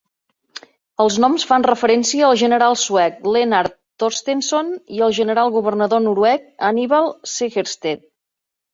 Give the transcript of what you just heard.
Els noms fan referència al general suec Lennart Torstenson i al general governador noruec Hannibal Sehested.